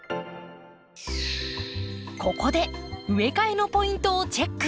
ここで植え替えのポイントをチェック。